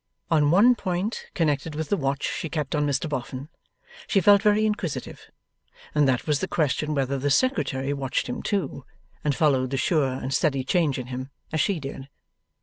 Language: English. On one point connected with the watch she kept on Mr Boffin, she felt very inquisitive, and that was the question whether the Secretary watched him too, and followed the sure and steady change in him, as she did?